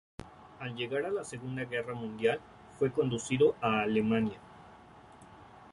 Al llegar la Segunda Guerra Mundial, fue conducido a Alemania.